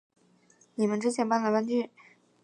你们之前搬来搬去